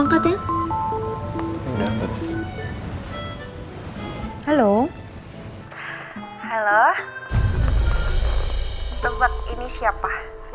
tempat ini siapa